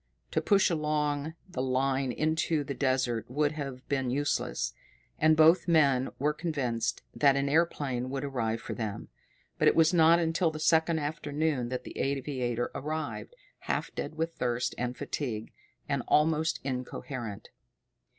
To push along the line into the desert would have been useless, and both men were convinced that an airplane would arrive for them. But it was not until the second afternoon that the aviator arrived, half dead with thirst and fatigue, and almost incoherent.